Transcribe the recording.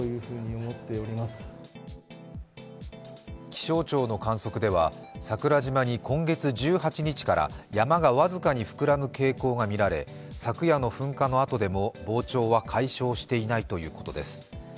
気象庁の観測では桜島に今月１８日から山が僅かに膨らむ傾向がみられ昨夜の噴火のあとでも膨張は解消していないということです。